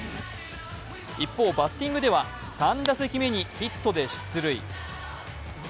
一方、バッティングでは３打席目にヒットで出塁。